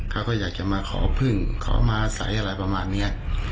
เขาก็อยากจะมาขอพึ่งขอมาใส่อะไรประมาณนี้